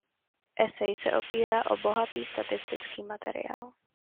Esej se opírá o bohatý statistický materiál.